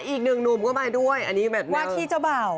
อีกหนึ่งหนุ่มก็มาด้วยวาทิเจ้าบ่าว